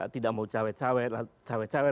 tidak mau cawek cawek